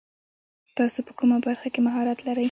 تاسو په کومه برخه کې مهارت لري ؟